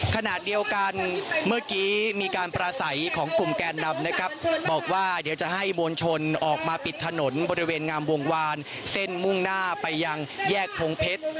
ขณะเดียวกันเมื่อกี้มีการประสัยของกลุ่มแกนนำนะครับบอกว่าเดี๋ยวจะให้มวลชนออกมาปิดถนนบริเวณงามวงวานเส้นมุ่งหน้าไปยังแยกพงเพชร